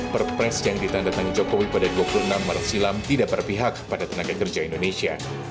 perpres yang ditandatangani jokowi pada dua puluh enam maret silam tidak berpihak pada tenaga kerja indonesia